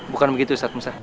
bukan begitu ustaz musa